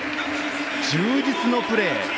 充実のプレー。